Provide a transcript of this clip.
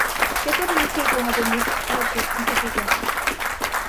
Que quere dicir con "aprendizaxe institucional"?